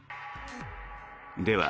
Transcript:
では、